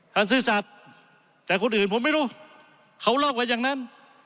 ท่านซื่อสัตว์แต่คนอื่นผมไม่รู้เขารอกกว่าอย่างนั้น